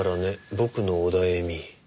ボクのオダエミ」